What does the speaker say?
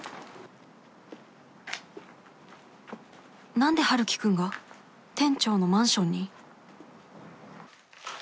なんでハルキくんが店長のマンションに？